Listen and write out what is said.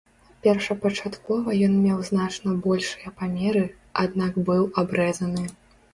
Першапачаткова ён меў значна большыя памеры, аднак быў абрэзаны.